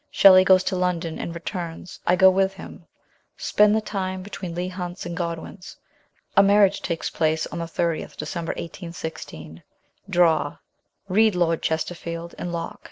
Shelley goes to London, and returns ; I go with him ; spend the time between Leigh Hunt's and Godwin's. A marriage takes place on the 30th December 1816. Draw. Read Lord Chesterfield and Locke."